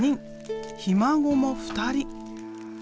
ひ孫も２人。